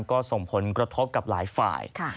ก็ส่งผลกระทบกับหลายฝ่าย